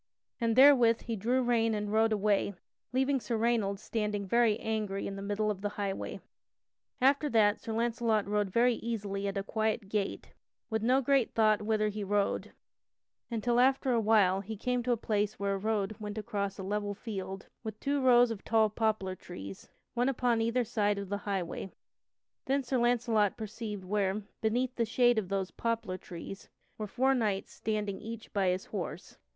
And therewith he drew rein and rode away, leaving Sir Raynold standing very angry in the middle of the highway. [Sidenote: Sir Launcelot meets four noble knights] After that Sir Launcelot rode very easily at a quiet gait, with no great thought whither he rode, until after a while he came to a place where a road went across a level field with two rows of tall poplar trees, one upon either side of the highway. Then Sir Launcelot perceived where, beneath the shade of these poplar trees, were four knights standing each by his horse.